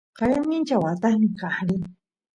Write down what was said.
qaya mincha watasniy kaq rin